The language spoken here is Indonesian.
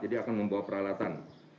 jadi akan membawa peralatan